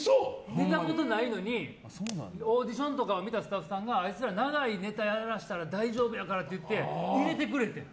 出たことないのにオーディションとかを見たスタッフさんがあいつら、長いネタやらしたら大丈夫やからって言って入れてくれてん。